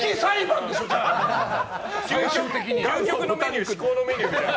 究極のメニュー、至高のメニューみたいな。